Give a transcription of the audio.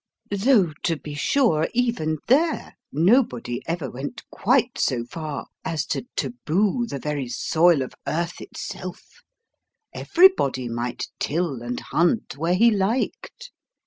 Though to be sure, even there, nobody ever went quite so far as to taboo the very soil of earth itself: everybody might till and hunt where he liked.